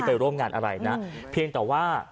ไปร่วมงานอะไรนะเพียงแต่ว่า